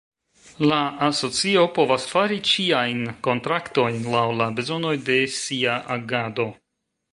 La Asocio povas fari ĉiajn kontraktojn laŭ la bezonoj de sia agado.